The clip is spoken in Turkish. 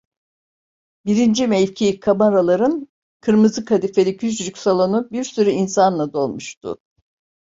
Birinci mevki kamaraların kırmızı kadifeli küçücük salonu bir sürü insanla dolmuştu.